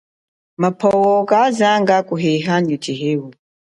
Mapwo kazanga kuheha nyi tshiheu.